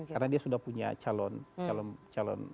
karena dia sudah punya calon